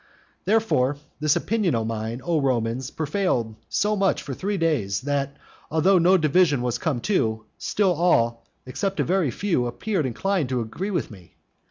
Therefore, this opinion of mine, O Romans, prevailed so much for three days, that although no division was come to, still all, except a very few, appeared inclined to agree with me.